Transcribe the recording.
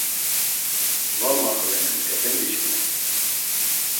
Va maxvenen, efendiçkimi.